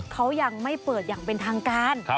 เขายังไม่เปิดอย่างเป็นทางการ